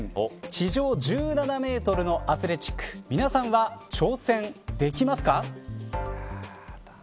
地上１７メートルのアスレチック皆さんは挑戦できますか。